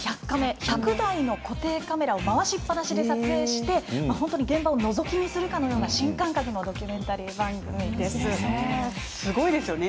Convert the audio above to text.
「１００カメ」１００台の固定カメラを回しっぱなしで撮影して本当に現場をのぞき見するかのような、新感覚のドキュメンタリー番組です。